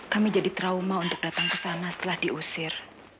kami jadi trauma untuk datang ke sana setelah diusir